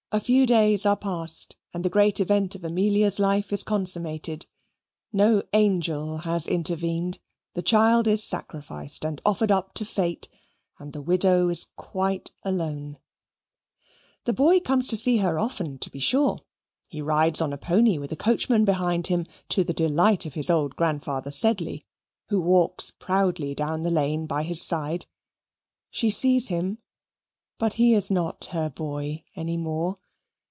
A few days are past, and the great event of Amelia's life is consummated. No angel has intervened. The child is sacrificed and offered up to fate, and the widow is quite alone. The boy comes to see her often, to be sure. He rides on a pony with a coachman behind him, to the delight of his old grandfather, Sedley, who walks proudly down the lane by his side. She sees him, but he is not her boy any more.